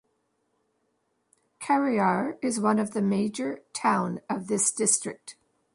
Khariar is one of the major town of this district.